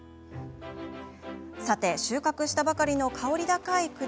さて、収穫したばかりの香り高い栗。